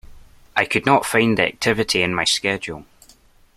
I could not find the activity in my Schedule.